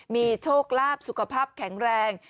มีโชคลาภสุขภาพแข็งแรง